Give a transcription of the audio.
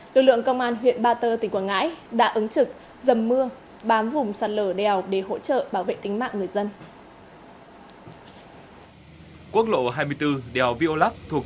lực lượng công an huyện ba tơ tỉnh quảng ngãi đã ứng trực dầm mưa bám vùng sạt lở đèo để hỗ trợ bảo vệ tính mạng người dân